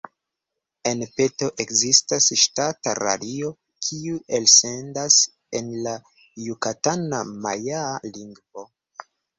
En Peto ekzistas ŝtata radio, kiu elsendas en la jukatana majaa lingvo.